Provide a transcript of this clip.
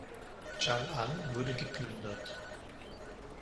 Chang’an wurde geplündert.